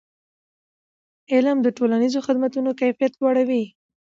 علم د ټولنیزو خدمتونو کیفیت لوړوي.